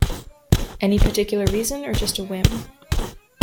Any particular reason, or just a whim?